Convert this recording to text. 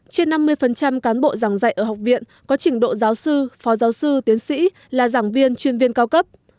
trên năm mươi cán bộ giảng dạy ở học viện có trình độ giáo sư phó giáo sư tiến sĩ là giảng viên chuyên viên cao cấp